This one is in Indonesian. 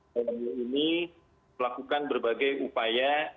yang ini melakukan berbagai upaya